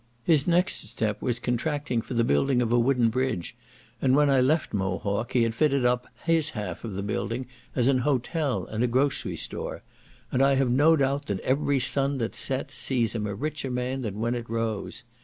His next step was contracting for the building a wooden bridge, and when I left Mohawk he had fitted up his half of the building as an hotel and grocery store; and I have no doubt that every sun that sets sees him a richer man than when it rose.